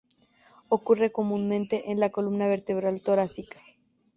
Ocurre comúnmente en la columna vertebral torácica.